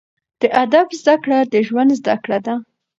د ادب زده کړه، د ژوند زده کړه ده.